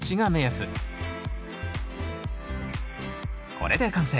これで完成。